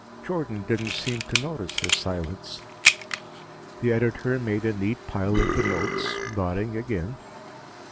Jordan didn't seem to notice his silence. The editor made a neat pile of the notes, nodding again.